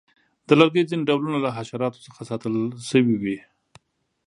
د لرګیو ځینې ډولونه له حشراتو څخه ساتل شوي وي.